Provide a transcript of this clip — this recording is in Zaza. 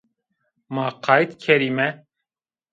Ma qayît kerîme